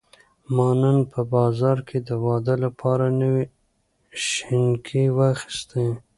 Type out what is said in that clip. ما نن په بازار کې د واده لپاره نوې شینکۍ واخیستې.